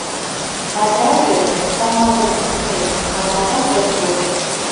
Ачаже, тамакым шупшмек, каналташ ыш воч.